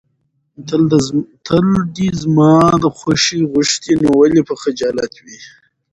تل د زما خوښي غوښتې، نو ولې به خجالت وې.